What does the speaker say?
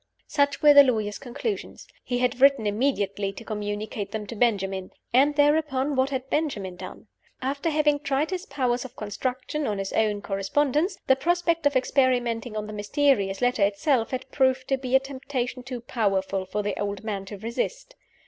Such were the lawyer's conclusions. He had written immediately to communicate them to Benjamin. And, thereupon, what had Benjamin done? After having tried his powers of reconstruction on his own correspondence, the prospect of experimenting on the mysterious letter itself had proved to be a temptation too powerful for the old man to resist.